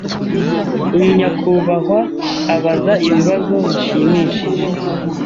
Uyu nyakubahwa abaza ibibazo bishimishije.